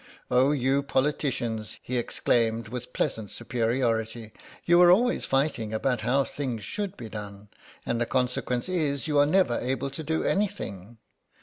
"Oh, you politicians!" he exclaimed, with pleasant superiority; "you are always fighting about how things should be done, and the consequence is you are never able to do anything.